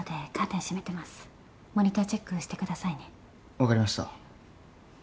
分かりました。